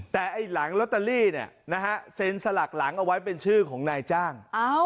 แต่ไอ้หลังลอตเตอรี่เนี่ยนะฮะเซ็นสลักหลังเอาไว้เป็นชื่อของนายจ้าง